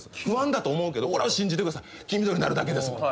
「不安だと思うけどこれは信じてください」「黄緑になるだけです。